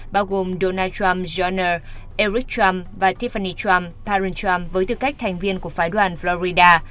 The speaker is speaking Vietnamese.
bao gồm donald trump jr eric trump và tiffany trump byron trump với tư cách thành viên của phái đoàn florida